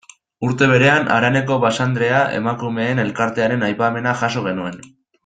Urte berean, haraneko Basanderea emakumeen elkartearen aipamena jaso genuen.